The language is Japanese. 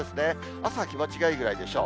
朝は気持ちがいいぐらいでしょう。